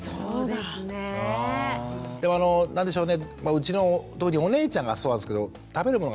でもあの何でしょうねうちの特にお姉ちゃんがそうなんですけど食べるもの